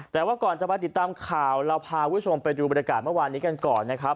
แต่ว่าก่อนจะมาติดตามข่าวเราพาคุณผู้ชมไปดูบรรยากาศเมื่อวานนี้กันก่อนนะครับ